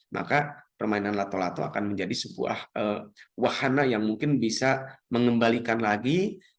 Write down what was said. maka permainan lato lato akan menjadi sebuah wahana yang mungkin bisa mengembalikan lagi